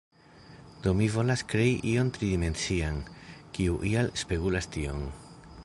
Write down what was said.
Do mi volas krei ion tridimencian, kiu ial spegulas tion.